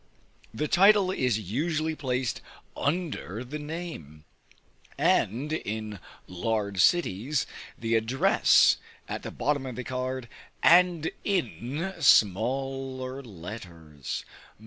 The title is usually placed under the name, and, in large cities, the address, at the bottom of the card and in smaller letters.